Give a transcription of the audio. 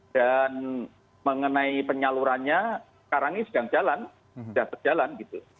dan mengenai penyalurannya sekarang ini sedang jalan sudah terjalan gitu